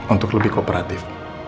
untuk lebih kooperatif